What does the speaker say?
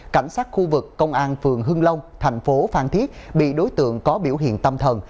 cảnh sát khu vực công an phường hưng long thành phố phan thiết bị đối tượng có biểu hiện tâm thần